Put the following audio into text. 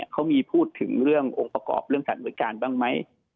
เขามีพูดถึงเรื่ององค์ประกอบเรื่องการบริการบ้างไหม